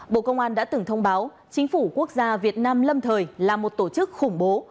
bộ công an đã từng thông báo chính phủ quốc gia việt nam lâm thời là một tổ chức khủng bố